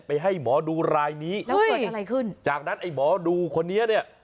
ให้หมอดูรายนี้แล้วเกิดอะไรขึ้นจากนั้นไอ้หมอดูคนนี้เนี่ย